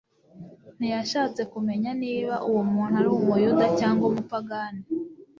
Ntiyashatse kumenya niba uwo muntu ari umuyuda cyangwa umupagani.